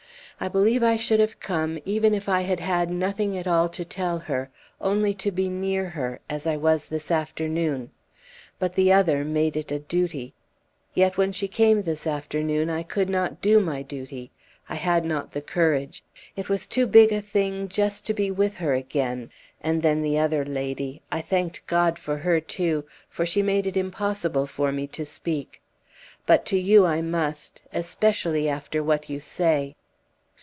I believe I should have come, even if I had had nothing at all to tell her only to be near her as I was this afternoon! But the other made it a duty. Yet, when she came this afternoon, I could not do my duty. I had not the courage. It was too big a thing just to be with her again! And then the other lady I thanked God for her too for she made it impossible for me to speak. But to you I must ... especially after what you say."